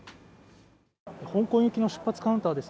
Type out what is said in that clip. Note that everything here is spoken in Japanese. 香港行きの出発カウンターです。